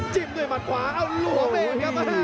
จิ้มด้วยมัดขวาเอ้าหลวงเองครับ